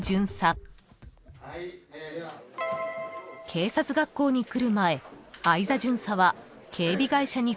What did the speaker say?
［警察学校に来る前相座巡査は警備会社に勤めていました］